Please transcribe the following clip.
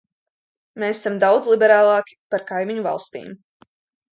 Mēs esam daudz liberālāki par kaimiņu valstīm.